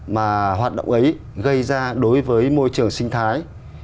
mà hoạt động ấy gây ra đối với môi trường sinh thái